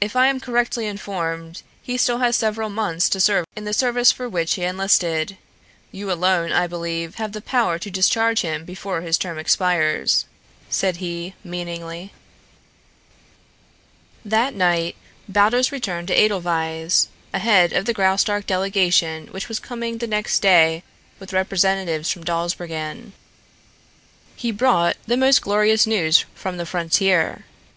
"If I am correctly informed he still has several months to serve in the service for which he enlisted. You alone, I believe, have the power to discharge him before his term expires," said he meaningly. That night Baldos returned to Edelweiss, ahead of the Graustark delegation which was coming the next day with representatives from Dawsbergen. He brought the most glorious news from the frontier.